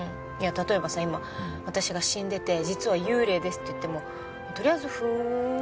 例えばさ今私が死んでて「実は幽霊です」って言ってもとりあえず「ふーん」って聞いてくれるでしょ？